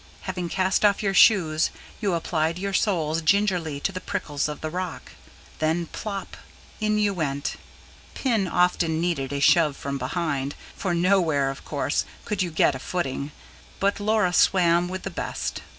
Having cast off your shoes, you applied your soles gingerly to the prickles of the rock; then plop! and in you went. Pin often needed a shove from behind, for nowhere, of course, could you get a footing; but Laura swam with the best.